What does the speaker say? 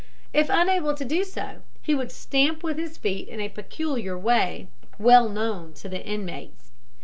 If unable to do so, he would stamp with his feet in a peculiar way, well known to the inmates.